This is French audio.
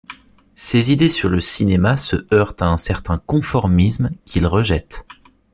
Ses idées sur le cinéma se heurtent à un certain conformisme, qu'il rejette.